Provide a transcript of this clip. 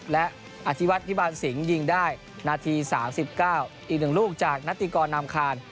และอธิวัฒน์พิบาลสิงห์ยิงได้นาที๓๙อีก๑ลูกจากนัตติกรนามคาน